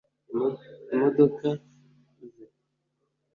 imodoka ze